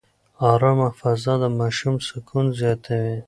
ارامه فضا د ماشوم سکون زیاتوي.